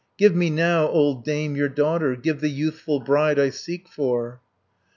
370 Give me now, old dame, your daughter, Give the youthful bride I seek for."